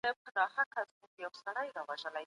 ميني د ټولنې پرمختګ سبب ده